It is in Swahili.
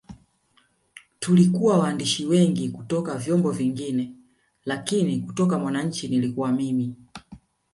Tulikuwa waandishi wengi kutoka vyombo vingine lakini kutoka Mwananchi nilikuwa mimi